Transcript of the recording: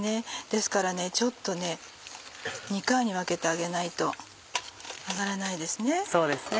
ですからちょっと２回に分けて揚げないと揚がらないですね。